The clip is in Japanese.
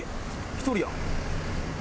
１人や。